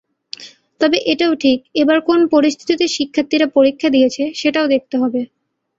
তবে এটাও ঠিক, এবার কোন পরিস্থিতিতে শিক্ষার্থীরা পরীক্ষা দিয়েছে, সেটাও দেখতে হবে।